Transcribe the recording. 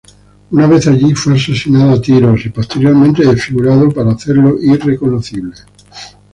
Una vez allí, fue asesinado a tiros y posteriormente desfigurado, para hacerlo irreconocible.